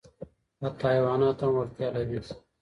حتی حیوانات هم وړتیا لري.